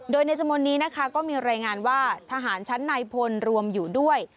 โดยในสมนนี้ก็มีรายงานว่าทหารชั้นไนพลรวมอยู่ด้วย